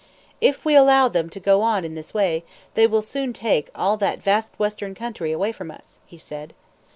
"If we allow them to go on in this way, they will soon take all that vast western country away from us," he said.